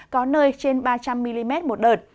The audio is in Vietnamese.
có nơi trên ba trăm linh mm một đợt